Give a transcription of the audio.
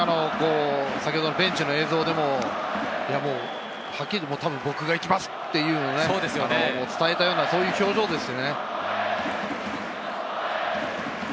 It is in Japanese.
先ほどのベンチの映像でも、はっきり「僕がいきます」って伝えたような表情ですね。